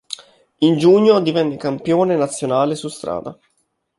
In giugno divenne campione nazionale su strada.